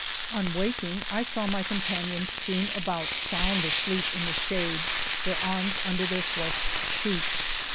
On waking I saw my companions strewn about sound asleep in the shade, their arms under their flushed cheeks.